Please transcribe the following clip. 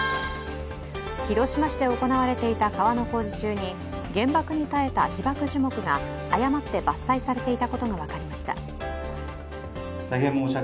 広島市で行われていた川の工事中に原爆に耐えた被爆樹木が誤って伐採されていたことが分かりました。